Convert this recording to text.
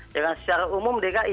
yang secara umum dki